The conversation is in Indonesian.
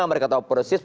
mereka tahu persis